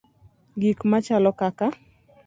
Gik machalo kaka